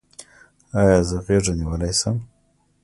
ایا زه غیږه نیولی شم؟